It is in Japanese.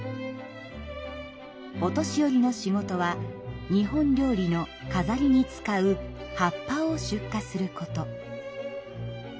お年寄りの仕事は日本料理の飾りに使う葉っぱを出荷すること。